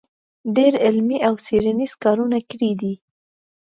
ډېر علمي او څېړنیز کارونه کړي دی